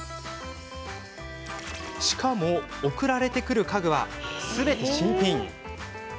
しかも、送られてくる家具はすべて新品。